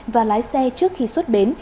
và lái xe trước khi xuất bến